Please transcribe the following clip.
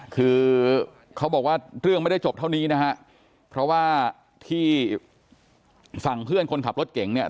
คือเขาบอกว่าเรื่องไม่ได้จบเท่านี้นะฮะเพราะว่าที่ฝั่งเพื่อนคนขับรถเก่งเนี่ย